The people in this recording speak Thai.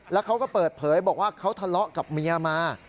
แล้วเขาก็เปิดเผยบอกว่าเขาทะเลาะกับเมียมา